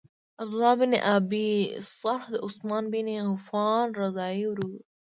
عبدالله بن ابی سرح د عثمان بن عفان رضاعی ورور وو.